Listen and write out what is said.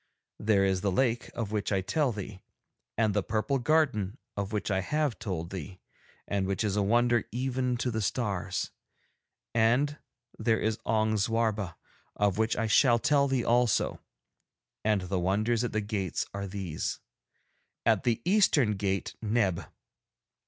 There is the lake, of which I tell thee, and the purple garden of which I have told thee and which is a wonder even to the stars, and there is Ong Zwarba, of which I shall tell thee also. And the wonders at the gates are these. At the eastern gate Neb.